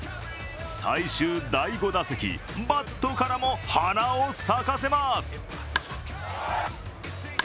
最終第５打席、バットからも花を咲かせます。